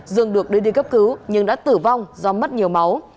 dương được đưa đi cấp cứu nhưng đã tử vong do mất nhiều máu